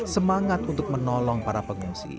semangat untuk menolong para pengungsi